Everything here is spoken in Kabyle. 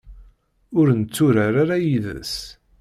Ur netturar ara yid-s.